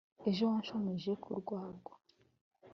ejo wanshomeje ku rwagwa".